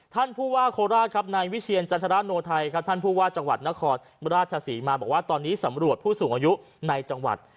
ท่านผู้ว่าโคราชครับนายวิเชียรจันทราโนไทยครับท่านผู้ว่าจังหวัดนครราชศรีมาบอกว่าตอนนี้สำรวจผู้สูงอายุในจังหวัด